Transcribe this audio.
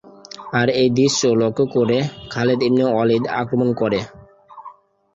আর এ দৃশ্য লক্ষ্য করে খালিদ ইবনে ওয়ালিদ আক্রমণ করে।